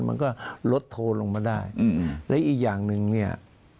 มันก็ลดโทนลงมาได้และอีกอย่างหนึ่งเนี่ย